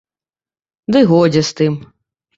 Ды годзе з тым.